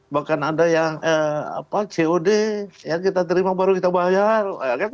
bahkan ada yang cod yang kita terima baru kita bayar